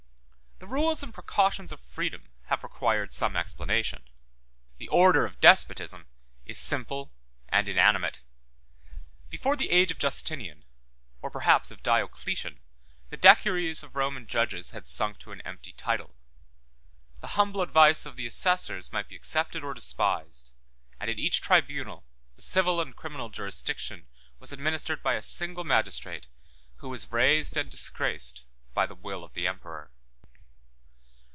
The rules and precautions of freedom have required some explanation; the order of despotism is simple and inanimate. Before the age of Justinian, or perhaps of Diocletian, the decuries of Roman judges had sunk to an empty title: the humble advice of the assessors might be accepted or despised; and in each tribunal the civil and criminal jurisdiction was administered by a single magistrate, who was raised and disgraced by the will of the emperor.